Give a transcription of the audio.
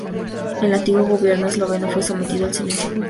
El antiguo Gobierno Esloveno fue sometido al silencio cultural.